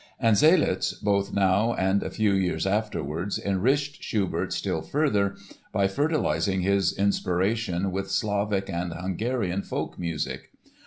And Zseliz, both now and a few years afterwards, enriched Schubert still further by fertilizing his inspiration with Slavic and Hungarian folk music.